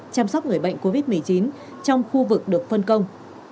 chăm sóc người bệnh covid một mươi chín trong khu vực được phân công